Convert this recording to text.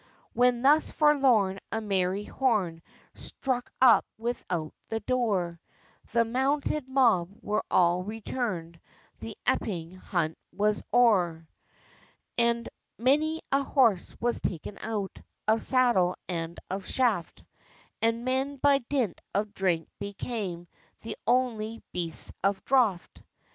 When thus forlorn, a merry horn Struck up without the door, The mounted mob were all returned; The Epping Hunt was o'er! And many a horse was taken out Of saddle, and of shaft; And men, by dint of drink, became The only "beasts of draught."